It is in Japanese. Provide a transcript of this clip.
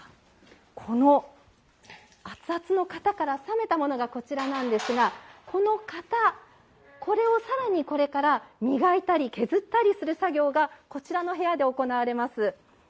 この熱々の型から冷めたものがこちらなんですがこの型これを更にこれから磨いたり削ったりする作業がこちらの部屋で行われます。